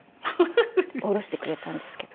パッて降ろしてくれたんですけど。